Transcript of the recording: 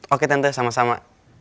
oke tante sama sama